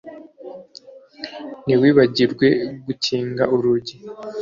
Ntiwibagirwe gukinga urugi